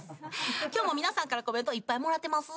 今日も皆さんからコメントをいっぱいもらってます。